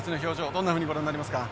どんなふうにご覧なりますか。